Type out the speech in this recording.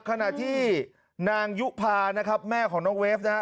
ขณะที่นางยุภานะครับแม่ของน้องเวฟนะฮะ